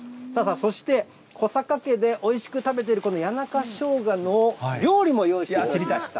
そして、小坂家でおいしく食べているこの谷中ショウガの料理も用意していただきました。